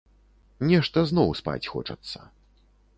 Нешта зноў спаць хочацца.